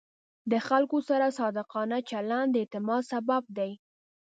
د خلکو سره صادقانه چلند د اعتماد سبب دی.